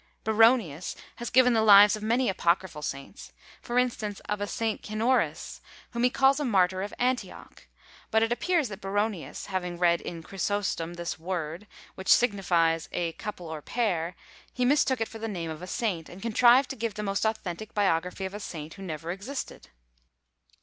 Baronius has given the lives of many apocryphal saints; for instance, of a Saint Xinoris, whom he calls a martyr of Antioch; but it appears that Baronius having read in Chrysostom this word, which signifies a couple or pair, he mistook it for the name of a saint, and contrived to give the most authentic biography of a saint who never existed!